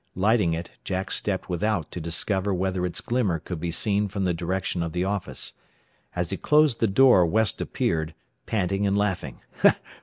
Lighting it, Jack stepped without to discover whether its glimmer could be seen from the direction of the office. As he closed the door West appeared, panting and laughing.